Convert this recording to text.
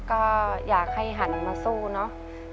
ก็อยากให้หันมาสู้เนอะ